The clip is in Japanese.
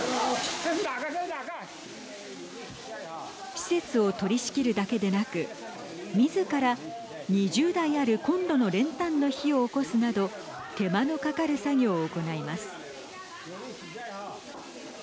施設を取りしきるだけでなくみずから２０台あるコンロの練炭の火をおこすなど手間のかかる作業を行います。